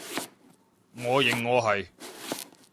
我認我係